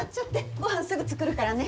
ごはんすぐ作るからね。